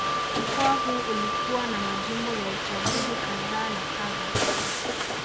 Mkoa huu ulikuwa na majimbo ya uchaguzi kadha na kadha